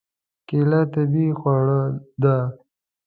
کېله طبیعي خواړه ده.